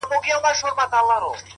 زمـــا د رسـوايـــۍ كــيســه،